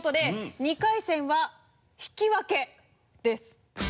２回戦は引き分けです。